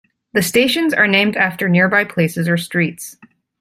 The stations are named after nearby places or streets.